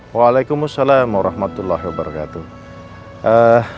waalaikumsalam warahmatullahi wabarakatuh